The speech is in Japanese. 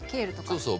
そうそう。